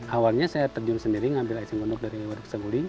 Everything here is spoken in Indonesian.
awalnya saya terjun sendiri mengambil eceng gondok dari waduk saguling